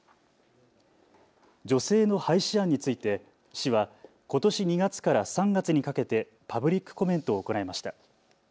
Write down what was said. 助成の廃止案について市はことし２月から３月にかけてパブリックコメントを行いました。